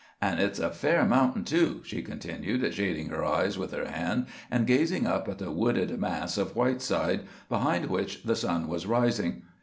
An' hit's a fair mountain, too," she continued, shading her eyes with her hand and gazing up at the wooded mass of Whiteside, behind which the sun was rising.